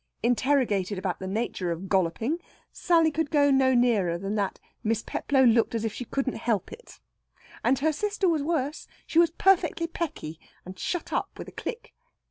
Interrogated about the nature of "golloping," Sally could go no nearer than that Miss Peplow looked as if she couldn't help it. And her sister was worse: she was perfectly pecky, and shut up with a click.